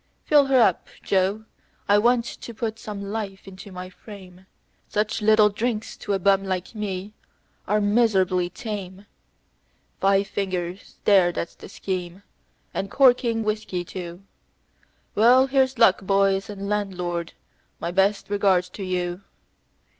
"Fill her up, Joe, I want to put some life into my frame Such little drinks to a bum like me are miserably tame; Five fingers there, that's the scheme and corking whiskey, too. Well, here's luck, boys, and landlord, my best regards to you.